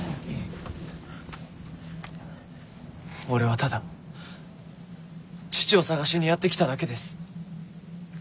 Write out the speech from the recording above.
俺はただ父を探しにやって来ただけです。